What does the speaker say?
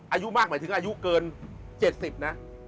อายุมากหมายถึงอายุเกิน๗๐นะ